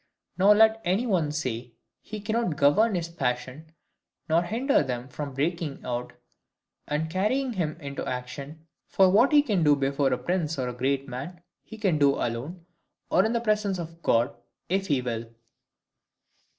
Nor let any one say, he cannot govern his passions, nor hinder them from breaking out, and carrying him into action; for what he can do before a prince or a great man, he can do alone, or in the presence of God, if he will.